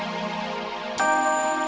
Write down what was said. satu dua tiga